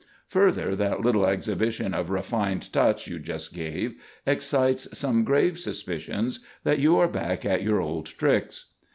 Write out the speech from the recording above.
Further, that little exhibition of refined 'touch' you just gave, excites some grave suspicions that you are back at your old tricks."